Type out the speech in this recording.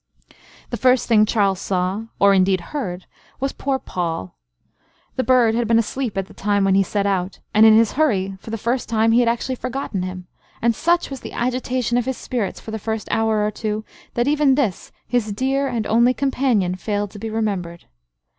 The first thing Charles saw, or indeed heard, was poor Poll. The bird had been asleep at the time when he set out, and in his hurry, for the first time, he had actually forgotten him; and such was the agitation of his spirits for the first hour or two, that even this, his dear and only companion, failed to be remembered.